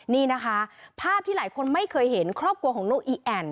นี่นะคะภาพที่หลายคนไม่เคยเห็นครอบครัวของนกอีแอ่น